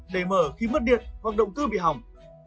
đề mở khi mất điện hoặc động tư bị hỏng